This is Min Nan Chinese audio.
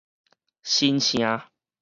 新城